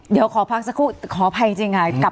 เดี๋ยวขอพักสักครู่ขออภัยจริงค่ะ